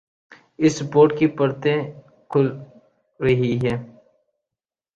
اس report کی پرتیں کھل رہی ہیں۔